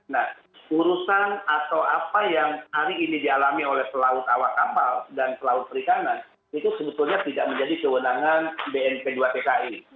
nah urusan atau apa yang hari ini dialami oleh pelaut awak kapal dan pelaut perikanan itu sebetulnya tidak menjadi kewenangan bnp dua tki